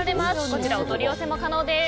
こちら、お取り寄せも可能です。